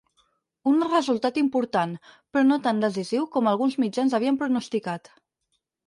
Un resultat important, però no tan decisiu com alguns mitjans havien pronosticat.